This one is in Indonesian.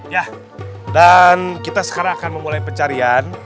ya dan kita sekarang akan memulai pencarian